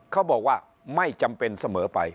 เขาบอกว่าไม่จำเป็นเสมอไป